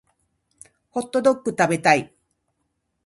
ホットドック食べたい